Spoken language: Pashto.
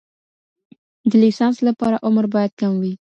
د لیسانس لپاره عمر باید کم وي.